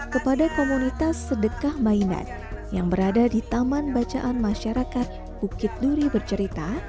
kepada komunitas sedekah mainan yang berada di taman bacaan masyarakat bukit duri bercerita